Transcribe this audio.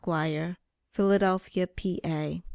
Philadelphia, Pa.